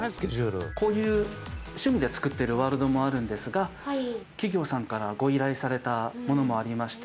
こういう趣味で作っているワールドもあるんですが企業さんからご依頼されたものもありまして